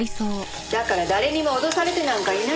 だから誰にも脅されてなんかいないって。